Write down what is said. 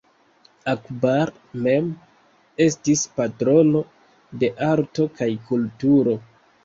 Akbar mem estis patrono de arto kaj kulturo.